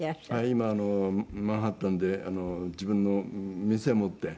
今マンハッタンで自分の店持って。